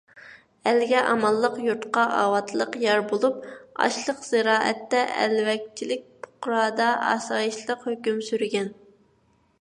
ئەلگە ئامانلىق، يۇرتقا ئاۋاتلىق يار بولۇپ، ئاشلىق - زىرائەتتە ئەلۋەكچىلىك، پۇقرادا ئاسايىشلىق ھۆكۈم سۈرگەن.